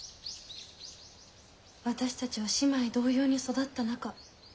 私たちは姉妹同様に育った仲。